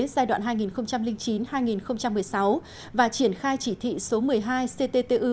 giai đoạn hai nghìn chín hai nghìn một mươi sáu và triển khai chỉ thị số một mươi hai cttu